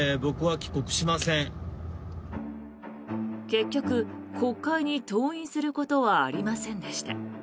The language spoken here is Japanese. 結局、国会に登院することはありませんでした。